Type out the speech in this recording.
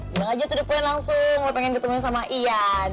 bilang aja tuh depan langsung lo pengen ketemu sama ian